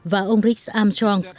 và ông rick armstrong